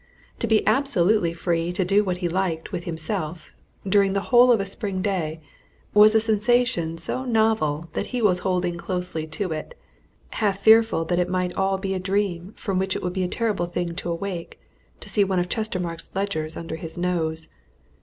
To be absolutely free to do what he liked with himself, during the whole of a spring day, was a sensation so novel that he was holding closely to it, half fearful that it might all be a dream from which it would be a terrible thing to awake to see one of Chestermarke's ledgers under his nose.